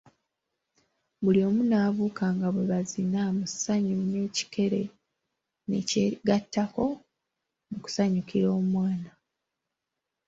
Buli omu n'abuuka nga bwe bazina musanyu n'ekikere ne kyegatako mu kusanyukira omwana.